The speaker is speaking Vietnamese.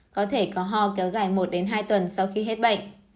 có thể có ho kéo dài một hai tuần sau khi hết bệnh